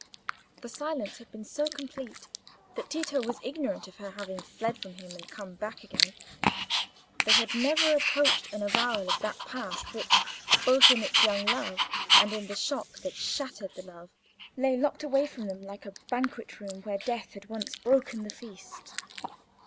The silence had been so complete, that Tito was ignorant of her having fled from him and come back again; they had never approached an avowal of that past which, both in its young love and in the shock that shattered the love, lay locked away from them like a banquet room where death had once broken the feast.